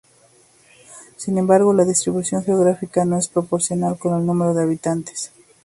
Sin embargo, la distribución geográfica no es proporcional con el número de habitantes.